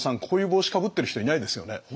こういう帽子かぶってる人いないですよね。